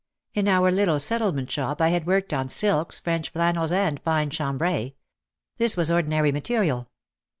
In our little Settlement shop I had worked on silks, French flannels and fine chambray. This was ordinary material.